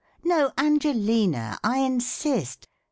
No, Angelina, I insist